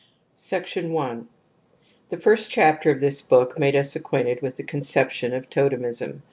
1 The first chapter of this book made us ac quainted with the conception of totemism.